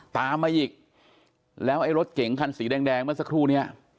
ตามมาอีกแล้วไอ้รถเก๋งคันสีแดงเมื่อสักครู่นี้